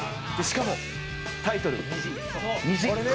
しかもタイトル『虹』。